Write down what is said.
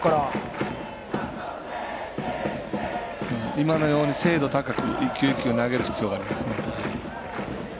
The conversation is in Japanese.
今のように精度高く、１球１球投げる必要がありますね。